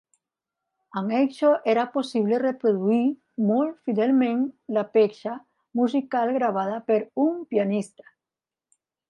Amb això era possible reproduir molt fidelment la peça musical gravada per un pianista.